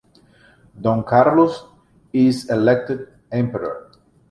Don Carlos is elected emperor.